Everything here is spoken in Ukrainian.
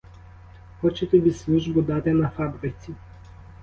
Хоче тобі службу дати на фабриці.